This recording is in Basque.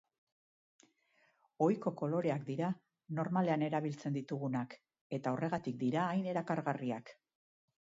Ohiko koloreak dira, normalean erabiltzen ditugunak, eta horregatik dira hain erakargarriak.